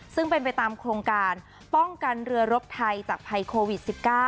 ซึ่งเป็นไปตามโครงการป้องกันเรือรบไทยจากภัยโควิด๑๙